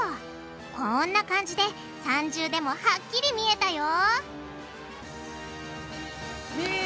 こんな感じで三重でもはっきり見えたよ「み」！